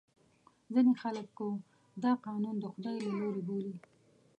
ځینې خلکو دا قانون د خدای له لورې بولي.